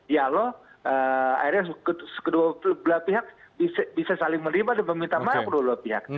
ya lo akhirnya kedua pihak bisa saling menerima dan meminta maaf kedua pihak